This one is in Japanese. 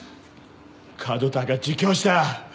門田が自供した。